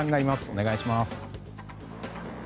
お願いします。